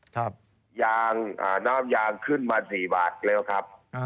น้ำยางขึ้นมา๔บาทเร็วครับ